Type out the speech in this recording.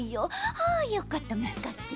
ああよかったみつかって。